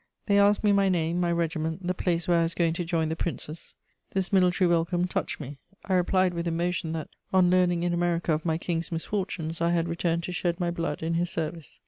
They asked me my name, my regiment, the place where I was going to join the Princes. This military welcome touched me: I replied with emotion that, on learning in America of my King's misfortunes, I had returned to shed my blood in his service.